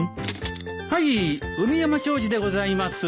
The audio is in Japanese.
はい海山商事でございます。